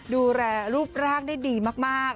ดูแลรูปร่างได้ดีมาก